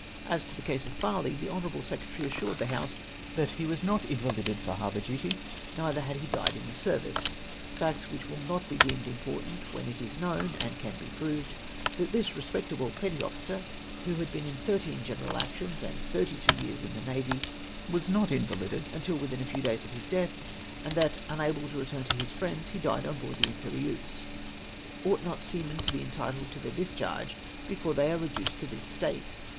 " As to the case of Farley, the honourable secretary assured the House that he was not invalided for harbour duty, neither had he died in the service — facts which will not be deemed important when it is known (and it can be proved) that this respectable petty officer, who had been in thirteen general actions, and thirty two years in the navy, was not invalided until within a few days of his death ; and that, unable to return to his friends, he died on board the Imperieuse. Ought not seamen to be entitled to their discharge before they are reduced to this state